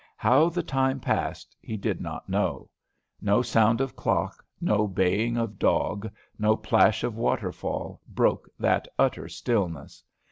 How the time passed, he did not know. No sound of clock, no baying of dog, no plash of waterfall, broke that utter stillness.